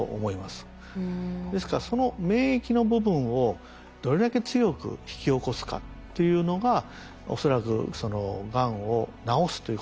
ですからその免疫の部分をどれだけ強く引き起こすかっていうのが恐らくそのがんを治すということにつながるというふうに思うんですね。